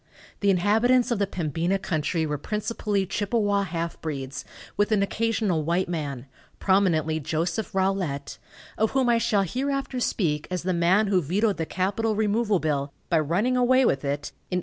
The inhabitants of the Pembina country were principally Chippewa half breeds, with an occasional white man, prominently Joseph Rolette, of whom I shall hereafter speak as the man who vetoed the capital removal bill, by running away with it, in 1857.